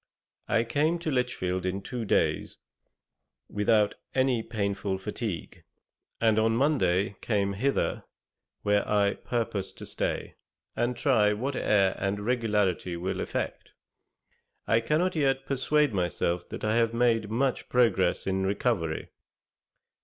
I came to Lichfield in two days without any painful fatigue, and on Monday came hither, where I purpose to stay: and try what air and regularity will effect. I cannot yet persuade myself that I have made much progress in recovery.